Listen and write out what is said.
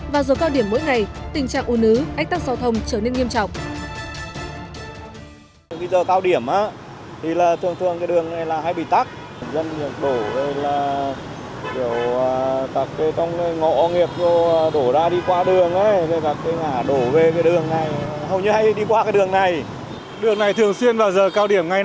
và dù cao điểm mỗi ngày tình trạng ưu nứ ách tắc xã hội thông trở nên nghiêm trọng